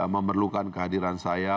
memerlukan kehadiran saya